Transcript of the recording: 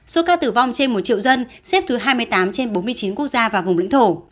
số ca tử vong trên một triệu dân xếp thứ hai mươi tám trên bốn mươi chín quốc gia và vùng lãnh thổ